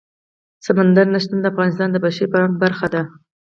سمندر نه شتون د افغانستان د بشري فرهنګ برخه ده.